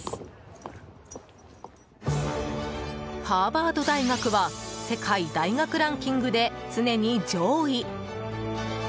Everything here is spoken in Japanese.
ハーバード大学は世界大学ランキングで常に上位。